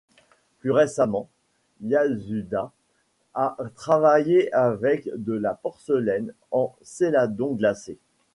Plus récemment, Yasuda a travaillé avec de la porcelaine en céladon-glacé.